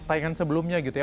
tayangan sebelumnya gitu ya